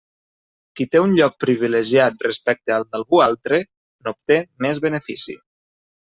Qui té un lloc privilegiat respecte al d'algú altre, n'obté més benefici.